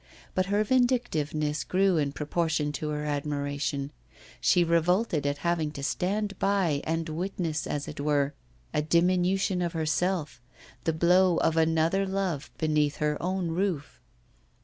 But her vindictiveness grew in proportion to her admiration; she revolted at having to stand by and witness, as it were, a diminution of herself, the blow of another love beneath her own roof.